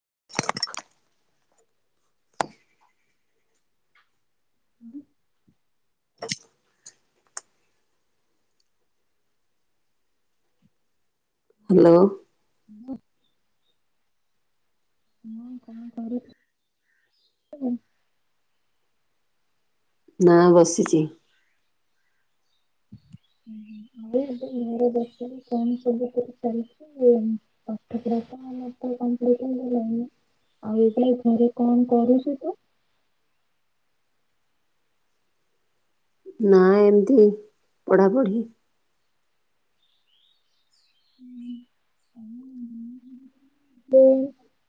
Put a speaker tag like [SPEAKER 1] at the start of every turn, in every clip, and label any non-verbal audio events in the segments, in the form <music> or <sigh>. [SPEAKER 1] ହ
[SPEAKER 2] ହ
[SPEAKER 1] ହ ହ୍ୟାଲୋ
[SPEAKER 2] ହ ହଁ କଣ କରୁଛ
[SPEAKER 1] ନା ବସିଛି
[SPEAKER 2] ଆଉ ଏବେ ଘର ଦରକାର କଣ ସବୁ କରି ଚାାଛି ପାଠ ହେଇଗଲାଣି ଆଉ ଏବେ ଘରେ କଣ କରୁଛୁ ତୁ
[SPEAKER 1] ନା ଏମିତି ପଢାପଢି
[SPEAKER 2] ହୁଁ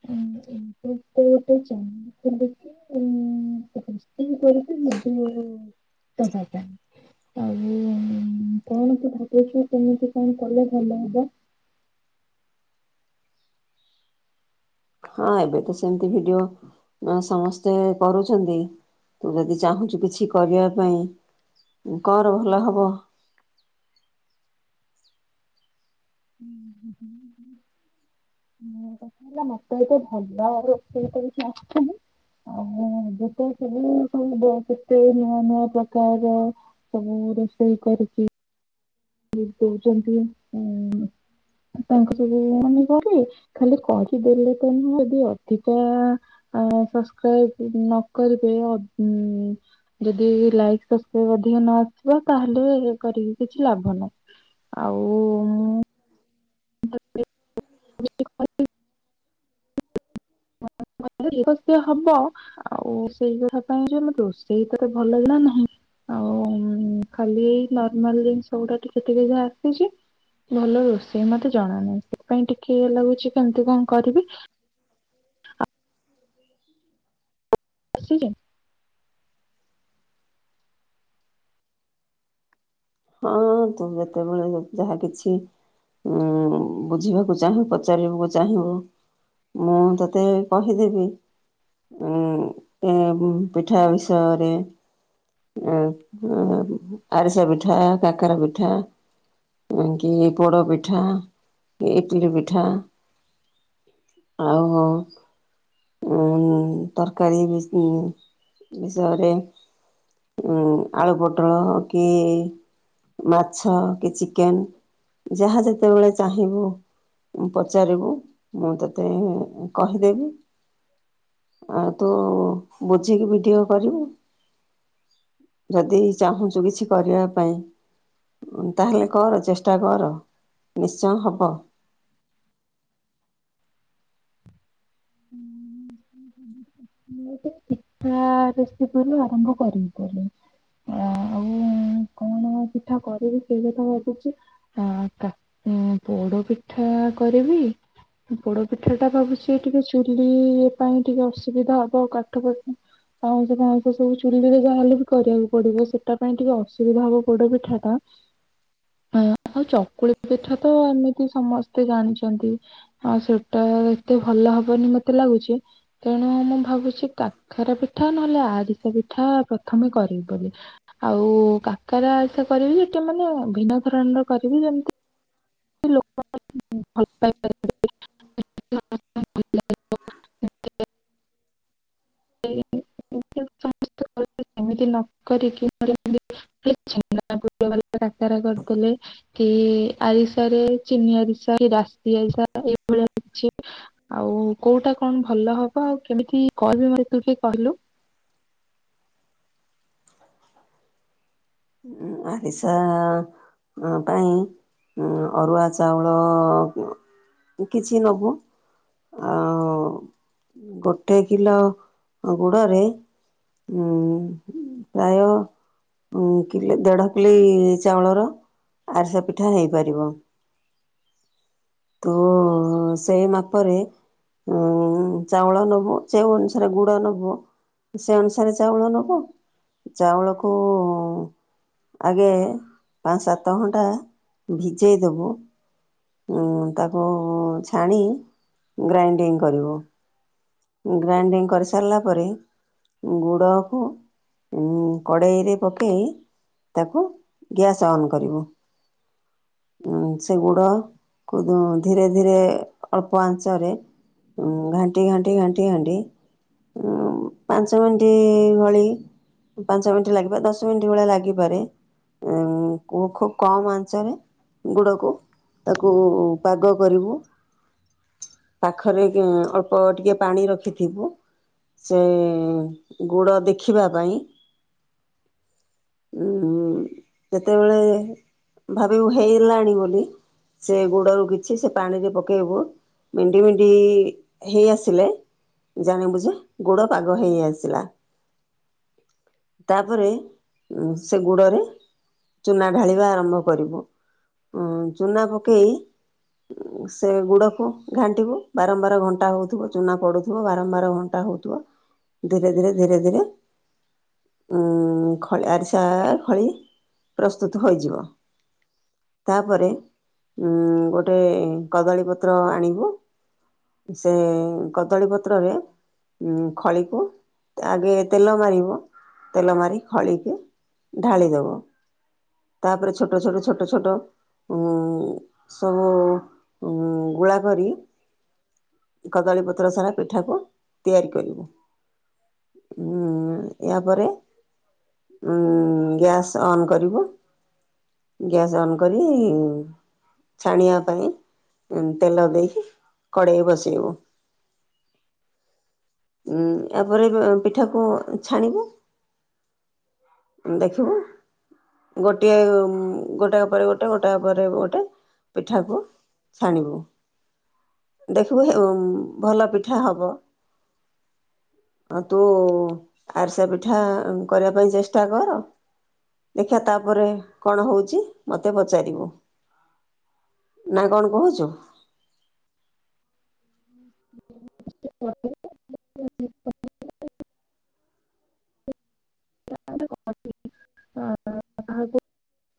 [SPEAKER 2] ଗୋଟେ ଚା ଥିଲେ କିେଇ କରିବି ମଧ୍ୟ ଦେବା ପାଇଁ ଆଉ କଣ ଭଛ କେମିତି କଣ କଲେ ଭଲ ହବ
[SPEAKER 1] ହଁ ଏବେ ତ ସେମିତି ଭିଡିଓ ସମସ୍ତେ କରୁଛନ୍ତି ତୁ ଯଦି ଚାହୁଁଛୁ କିଛି କରିବା ପାଇଁ କର ଭଲ ହବ
[SPEAKER 2] ହୁଁ ହୁଁ ହୁଁ ହୁଁ ହେଲା ମତେ ଏତେ ଭଲ ରୋଷେଇ କରୁଛି ଆସେନି। ଆଉ ଏବେ ତ ସବୁ କେତେ ନୂଆ ନୂଆ ପ୍ରକାରର ସବୁ ରୋଷେଇ କରୁଛି। <unintelligible> ତାଙ୍କୂ ସବୁ କରି ଖାଲି କହିଦେଲେ। ତେଣୁ ଯଦି ଅଧିକା ସବସ୍କ୍ରାଇବ ନ କରିବେ ଅ ଯଦି ଲାଇକ୍କ୍ରାଇବ ଅଧିକ ନ ଆସିବ। ତାହେଲେ କରିକି କିଛି ଲାଭ ଭଲ ଆଉ ମୁଁ। <unintelligible> ସେ ହବ। ଆଉ ସେଇ କଥା ପାଇଁ ଯେ ରୋଷେଇ ତତେ ଭଲ ଜଣା ନାହିଁ ଆଉ ଖାଲି ଏଇ ନର୍ମାଲ ଜିନିଷ ଗୁଡା ଟିକେ ଟିକେ ଯା ଆସୁଛି। ଭଲ ରୋଷେଇ ମତେ ଜଣା ନାହିଁ। ସେଥିପାଇଁ ଟିକେ ଇଏ ଲାଗୁଛି କେମତି କଣ କରିବି। ବସିଚ।
[SPEAKER 1] ହଁ ତୁ ଯେତେବେଳେ ଯା ଯାହା କିଛି। ଉ ବୁଝିବାକୁ ଚାହିଁ ପଚାରିବାକୁ ଚାହିଁବୁ। ମୁଁ ତତେ କହିଦେବି ଉ ଏ ପିଠା ବିଷୟରେ ଅଁ ଅଁ ଆରିଶା ପିଠା। ପିଠା କାକରା ପିଠା କି ପୋଡ଼ ପିଠା କି ଇଟଲିି ପିଠା। ଆଉ ଉ ତରକାରୀ ବି ଉ ବିଷୟରେ ଉ ଆଳୁ ପୋଟଳ କି ମାଛ କି ଚିକେନ ଯାହା ଯେତେବେଳେ ଚାହିଁବୁ ପଚାରିବୁ। ମୁଁ ତତେ କହିଦେବି ଆଉ ତୁ ବୁଝିକି ଭିଡିଓ କରିବୁ। ଯଦି ଚାହୁଁଛୁ କିଛି କରିବା ପାଇଁ ତାହେଲେ କର ଚେଷ୍ଟା କର ନିଶ୍ଚୟ ହବ।
[SPEAKER 2] <unintelligible> ମୁସେ ପିଠା ରେସିପିରୁୁ ଆରମ୍ଭ କରିିମି କରିମି। ଆଉ କଣ ପିଠା କରିବି ସେଇ କଥା ଭାବୁଛି ଅଁ କାକ୍ ପୋଡ ପିଠା କରିବି। ପୋଡ ପିଠା ଟା ଭାବୁଛି ଟିକେ ଚୁଲି ପାଇଁ ଟିକେ ଅସୁବିଧା ତ କାଠ ଫାଟ ପାଉଁଶ ପାଉଁଶ ସବୁ ଚୁଲିରେ ଯାହାହେଲେ ବି କରିବାକୁ ପଡିବ। ସେଟା ପାଇଁ ଟିକେ ଅସୁବିଧା ହବ। ପୋଡ ପିଠା ଟା ଆଉ ଚକୁଳି ପିଠା ତ ଏମିତି ସମସ୍ତେ ଜାଣିଛନ୍ତି। ଆଉ ସେଟା ଏତେ ଭଲ ହବନି ମତେ ଲାଗୁଛି ତେଣୁ ମୁ ଭାବୁଛି କାକର ପିଠା ନହେଲେ ଆରିଷା ପିଠା ପ୍ରଥମେ କରିବି ବୋଲି। ଆଉ କାକର ଆରିସା କରିବି ସେଟା ମାନେ ଭିନ୍ନ ଧରଣର କରିବି ଯେମିତି <unintelligible> ଆରେ ଚିନି ଆରିସା ରାଶି ଆରିସା ଏଇଭଳିଆ କିଛି ଆଉ କୋଉଟା କଣ ଭଲ ହବ। ଆଉ କେମିତି କରିବି ମତେ ଟିକେ କହିଲୁ।
[SPEAKER 1] ଉଁ ଆରିସା ପାଇଁ ଅରୁଆ ଚାଉଳ ଅ କିଛି ନବୁ। ଆଉ ଗୋଟେ କିଲ ଗୁଡ଼ରେ ଉଁ ଉଁ ପ୍ରାୟ କିଲ ଦେଢ କିଲି ଚାଉଳର ଆରିସା ପିଠା ହେଇପାରିବ। ତୁ ସେଇ ମାପରେ ଉଁ ଚାଉଳ ନେବୁ। ଯେଉଁ ଅନୁସାରେ ଗୁଡ଼ ନେବୁ ସେ ଅନୁସାରେ ଚାଉଳ ନେବୁ। ଚାଉଳକୁ ଆଗେ ପାଞ୍ଚ ସାତ ଘଣ୍ଟା ଭିଜେଇ ଦେବୁ। ଉଁ ତାକୁ ଛାଣି ଗ୍ରାଇଣ୍ଡିଙ୍ଗ କରିବୁ। ଗ୍ରାଇଣ୍ଡିଙ୍ଗ କରିସାରିଲା ପରେ। ଗୁଡ଼କୁ ଉଁ କଡ଼େଇରେ ପକେଇ ତାକୁ ଗ୍ୟାସ୍ ଅନ୍ କରିବୁ ଉଁ ସେ ଗୁଡ଼ କୁ ଧୀରେ ଧୀରେ ଅଳ୍ପ ଆଞ୍ଚରେ ଘାଣ୍ଟି ଘାଣ୍ଟି ଘାଣ୍ଟି ଘାଣ୍ଟି ପାଞ୍ଚ ମିନିଟ୍ ଭଳି ପାଞ୍ଚ ମିନିଟ୍ ଲାଗିପାରେ। ଦଶ ମିନିଟ୍ ଭଳିଆ ଲାଗିପାରେ। ଖୁବ୍ କମ୍ ଆଞ୍ଚରେ ଗୁଡ଼କୁ ତାକୁ ପାଗ କରିବୁ। ପାଖରେ କି ଅଳ୍ପ ଟିକେ ପାଣି ରଖିଥିବୁ ସେ ଗୁଡ ଦେଖିବା ପାଇଁ। ଉଁ ଯେତେବେଳ ଭାବିବୁ ହେଲାଣି ବୋଲି ସେ ଗୁଡକୁ କିଛି ସେ ପାଣିରେ ପକେଇବୁ। ମେଣ୍ଡି ମେଣ୍ଡି ହେଇ ହେଇ ଆସିଲେ ଜାଣିବୁ ଯେ ଗୁଡ଼ ପାଗ ହେଇ ଆସିଲା। ତାପରେ ସେ ଗୁଡରେ ଚୁନା ଢାଳିବା ଆରମ୍ଭ କରିବୁ। ଚୁନା ପକେଇ ଉଁ ସେ ଗୁଡକୁ ଘାଣ୍ଟିବୁ। ବାରମ୍ବାର ଘଣ୍ଟା ହଉଥିବ ଚୁନା ପଡୁଥିବ ବାରମ୍ବାର ଘଣ୍ଟା ହଉଥିବ। ଧୀରେ ଧୀରେ ଧୀରେ ଧୀରେ ଉ ଖ ଆରିସା ଖଳି ପ୍ରସ୍ତୁତ ହୋଇଯିବ। ତାପରେ ଉ ଗୋଟେ ଗୋଟେ କଦଳୀ ପତ୍ର ଆଣିବୁ। ସେ କଦଳୀ ପତ୍ରରେ ଖଳିକୁ ଆଗେ ତେଲ ମାରିବୁ ତେଲ ମାରି ଖଳିକି ଢାଳିଦବ। ତାପରେ ଛୋଟ ଛୋଟ ଛୋଟ ଛୋଟ ଉ ସବୁ ଗୁଳା କରି କଦଳୀ ପତ୍ର ସାରା ପିଠାକୁ ତିଆରି କରିବୁ। ଉ ଏହାପରେ ଉ ଗ୍ୟାସ୍ ଅନ୍ କରିବୁ ଗ୍ୟାସ୍ ଅନ୍ କରି। ଛାଣିବା ପାଇଁ ଅ ତେଲ ଦେଇକି କଡ଼େଇ ବସେଇବୁ <inaudible> ଉ ଏହାପରେ ଅ ପିଠାକୁ ଛାଣିବୁ। ଦେଖିବୁ ଗୋଟିଏ ଗୋଟାକ ପରେ ଗୋଟାକ ଗୋଟେ ପରେ ଗୋଟେ ପିଠାକୁ ଛାଣିବୁ। ଦେଖିବୁ ହେ ଭଲ ପିଠା ହବ। ଆ ତୁ ଆରସା ପିଠା କରିବା ପାଇଁ ଚେଷ୍ଟା କର। ଦେଖିବା ତାପରେ କଣ ହଉଛି ମତେ ପଚାରିବୁ। ନା କଣ କହୁଛୁ।
[SPEAKER 2] <unintelligible> <unintelligible>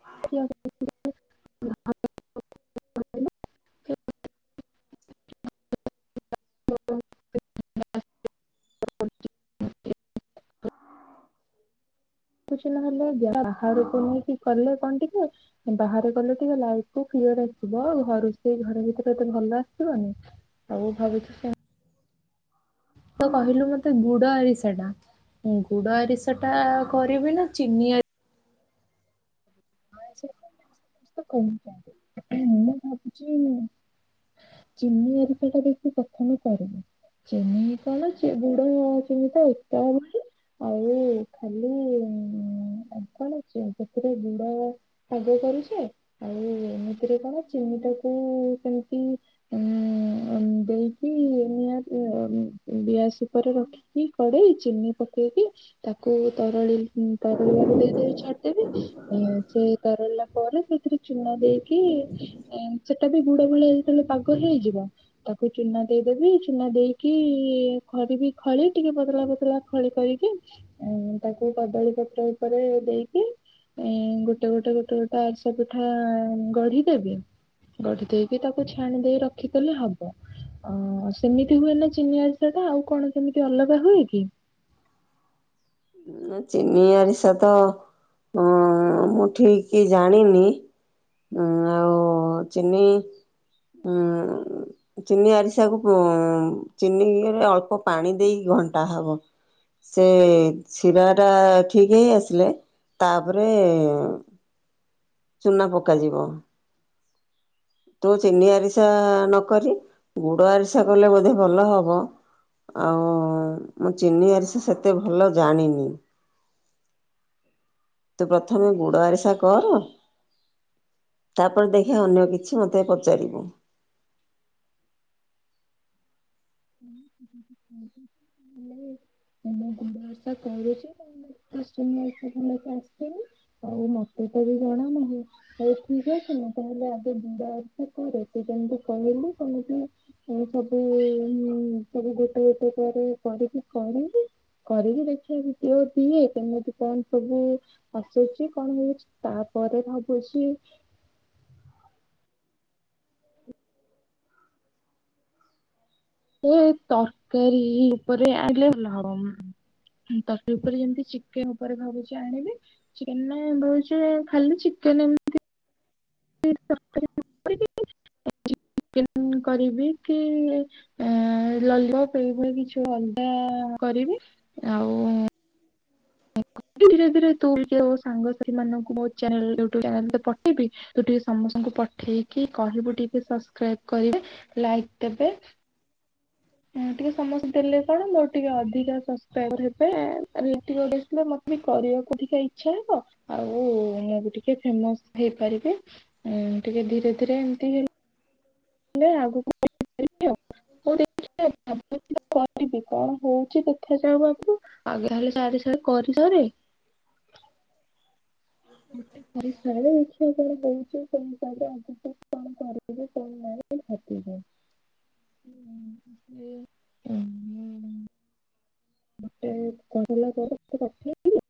[SPEAKER 2] <unintelligible> କିଛି ନହେଲେ ବାହାରକୁ ନେଇକି କଲେ। କଣ ଟିକେ ବାହାରେ କଲେ ଟିକେ ଲାଇଫ କ୍ଲିୟର ଆସିବ। ଘରୁ ସେ ଘରେ ଭିତରେ ଏତେ ଭଲ ଆସିବନି ଆଉ ଭାବୁଛି ସେ ତ କହିଲୁ ମତେ। ଗୁଡ ଆରିସା ଟା ଗୁଡ ଆରିସା ଟା କରିବି ନା ଚିନି ଆରି <unintelligible> ମୁଁ ଭାବୁଛି ଚିନି ଆରିସା ଟା ଦେଖି ପ୍ରଥମେ କର ଚିନି କରକ ଗୁଡ ଚିନି ତ ଏକା ହଉଛି। ଆଉ ଖାଲି କଣ କ ସେଥିରେ ଗୁ ଅ ପାଗ କରୁଛେ। ଆଉ ଏମିତିରେ କଣ ଚିନି ଟାକୁ କେମିତି ଉଁ ଦେଇକି ନିଆଁ ଉଁ ଗିଆସ୍ ଉପରେ ରଖିକି କଡେଇ ଚିନି ପକେଇକି। ତାକୁ ତରଳି ତରଳିବାକୁ ଦେଇଦେଇ ଛାଡ୍ ଏବେ। ଉଁ ସେ ତରଳିଲା ପରେ ସେଥିରେ ଚୂନ ଦେଇକି ଏଁ ସେଟା ବି ଗୁଡ ଭଳିଆ ଯେତେବେଳେ ପାଗ ହେଇଯିବ ତାକୁ ଚୂନ ଦେଇଦେବି ଚୂନ ଦେଇକି ଘଡିବି ଖଳି ଟିକେ ପତଳା ପତଳା ଖଳି କରିକି ଉଁ ତାକୁ କଦଳୀ ପତ୍ର ଉପରେ ଦେଇକି। ଇଁ ଗୋଟେ ଗୋଟେ ଗୋଟେ ଗୋଟେ ଆରସା ପିଠା ଗଢିଦେବି ଗଢି ଦେଇକି ତାକୁ ଛାଣି ଦେଇ ରଖିଦେଲେ ହବ ଅଁ ସେମିତି ହୁଏ ନା ଚିନି ଆରିସା ଟା ଆଉ କଣ କେମିତି ଅଲଗା ହୁଏ କି?
[SPEAKER 1] ଉଁ ଚିନି ଆରିସା ତ ଅଁ ମୁଁ ଠିକି ଜାଣିନି ଆଉ ଚିନି ଉଁ ଚିନି ଆରିସାକୁ ପୁ ଚିନିରେ ଅଳ୍ପ ପାଣି ଦେଇି ଘଣ୍ଟା ହବ ସେ। ଶିରା ଟା ଠିକି ହେଇ ଆସିଲେ ତାପରେ। ଚୁନା ପକାଯିବ। ତୁ ଚିନି ଆରିସା ନକରି ଗୁଡ ଆରିସା କଲେ ବୋଧେ ଭଲ ହବ ଆଉ ମୁଁ ଚିନି ଆରିସା ସେତେ ଭଲ ଜାଣିନି ତୁ ପ୍ରଥମେ ଗୁଡ ଆରିସା କର ତାପରେ ଦେଖେ ଅନ୍ୟ କିଛି। ମତେ ପଚାରିବୁ।
[SPEAKER 2] <unintelligible> ମୁଁ ଗୁଡ ଆରିସା କରିଚି <unintelligible> ମତେ ଆସେନି ଆଉ ମତେ ତେବେ ଜଣା ନାହିଁ ହଉ ଠିକ ଅଛି ମୁଁ ତାହେଲେ ଆଗେ ଗୁଡ଼ ଆରିସା କରେ ସେ ଯେମିତି କହିଲି ସେମିତି ମୁଁ ସବୁ। ହୁଁ ସେଟୁ ଗୋଟେ ଗୋଟେ ପରେ କରିକି କରିବି କରିବି ଦେଖେଇବି କେ ତି ଏତେ କେମିତି କଣ ସବୁ ଆସୁଛି କଣ ହଉଛି ତାପରେ ଭାବୁଛି। ଏ ତରକାରୀ ଉପରେ ଆଣିଲେ ଭଲ ହବ ହୁଁ ତରକାରୀ ଉପରେ ଯେମିତି ଚିକେନ ଉପରେ ଭାବୁଛି ଆଣିବି ଚିକେନ ନା ଭାବୁଛି ଖାଲି ଚିକେନ ଏମତି। <inaudible> <inaudible> ଧୀରେ ଧୀରେ ତୁ ଯଉ ସାଙ୍ଗସାଥି ମାନ ମୋ ଚ୍ୟାନେଲ ୟୁ ଟ୍ୟୁବ ଚ୍ୟାନେଲ ତ ପଠେଇବି ତୁ ଟିକେ ସମସ ତାଙ୍କୁ ପଠେଇକି କହିବୁ ଟିକେ ସବସ୍କ୍ରାଇବ କରିବେ ଲାଇକ ଦେବେ। ହୁଁ ଟିକେ ସମସ୍ତେ ଦେଲେ କଣ ମୋର ଟିକେ ଅଧିକା ସବସ୍କ୍ରାଇବର ହେବେ ଚାଲିବ ଟିକେ ଓଡ଼ିଏନ୍ସ ଥିଲେ ମତେ ବି କରିବାକୁ ଟିକେ ଇଚ୍ଛା ହବ ଆଉ ମୁଁ ବି ଟିକେ ଫେମସ ହେଇପାରିବି ଏଁ ଟିକେ ଧୀରେ ଧୀରେ ଏମତି ହେ ଲେ ଆଗକୁ <inaudible> କରିବି ଆଉ ହଉ ଦେଖିଆ <inaudible> କଣ ହଉଚି ଦେଖାଯାଉ ଆଗକୁ ଆଗ ହେଲେ ସାରି ସାର କରିସାରେ। ଗୋଟେ କରି ସାରେ ଦେଖିଆ କଣ ହଉଚି ସେମିତି ହେଲେ ଆଗକୁ କଣ କରିବି କଣ ନାଇ ଭାବିବି ଉଁ ସେ ତ ଏୟା। <unintelligible> ଗୋଟେ କରିଲା ପରେ ତତେ ପଠେଇବି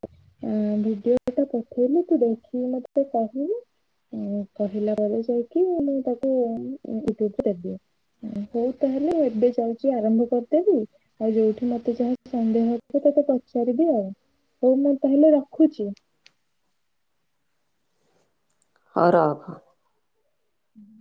[SPEAKER 2] ଏଁ ଭିଡିଓଟା ପଠେଇଲେ ତୁ ଦେଖିକି ମତେ କହିବୁ ଉଁ ତ କହିଲା ପରେ ଯାଇକି ମୁଁ ତାକୁୁ ୟୁ ଟ୍ୟୁବ୍ ରେ ଦେବି ହଉ ତାହେଲେ ଏବେ ଯାଉଛି ଆରମ୍ଭ କରିଦେବି ଆଉ ଯୋଉଠି ମତେ ଯା ସନ୍ଧ୍ୟା ହେ ତତେ ପଚାରିବି ଆଉ ହଉ ମୁଁ ତାହଲେ ରଖୁଛି।
[SPEAKER 1] ହଉ ରଖ।
[SPEAKER 2] ହୁଁ।